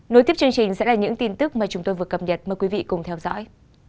nối tiếp chương trình sẽ là những tin tức mà chúng tôi vừa cập nhật mời quý vị cùng theo dõi